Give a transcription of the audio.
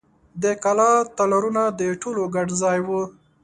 د کلا تالارونه د ټولو ګډ ځای و.